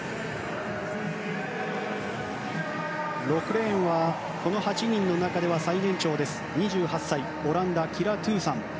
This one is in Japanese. ６レーンはこの８人の中では最年長です２８歳、オランダキラ・トゥーサン。